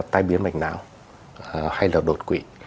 tai biến mạch não hay là đột quỵ